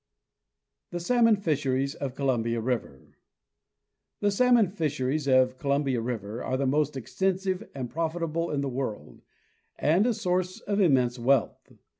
The Salmon Fisheries of Columbia River. The salmon fisheries of Columbia river are the most extensive and profitable in the world, and a source of immense wealth.